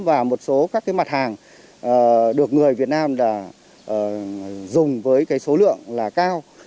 và một số các cái mặt hàng được người việt nam đã dùng với số lượng cao